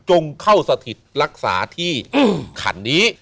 เข้าสถิตรักษาที่ขันนี้